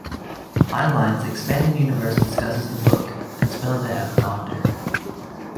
Heinlein's "Expanded Universe" discusses the book, and spells it as Gondor.